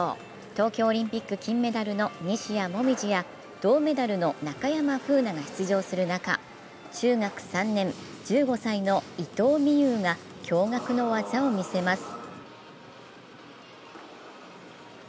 東京オリンピック金メダルの西矢椛や銅メダルの中山楓奈が出場する中、中学３年、１５歳の伊藤美優が驚がくの技を見せます。